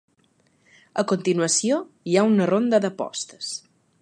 A continuació, hi ha una ronda d'apostes.